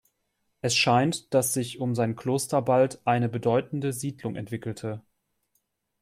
Es scheint, dass sich um sein Kloster bald eine bedeutende Siedlung entwickelte.